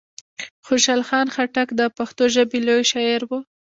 خوشحال خان خټک د پښتو ژبي لوی شاعر وو.